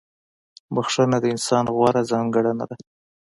• بخښنه د انسان غوره ځانګړنه ده.